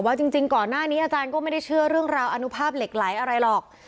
จริงก่อนหน้านี้อาจารย์ก็ไม่ได้เชื่อเรื่องราวอนุภาพเหล็กไหลอะไรหรอก